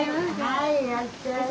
はいいらっしゃい。